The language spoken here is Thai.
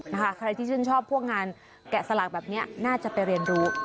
ใครที่ชื่นชอบพวกงานแกะสลักแบบนี้น่าจะไปเรียนรู้